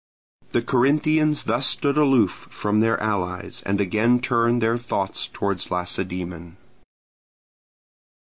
The Corinthians thus stood aloof from their allies, and again turned their thoughts towards Lacedaemon.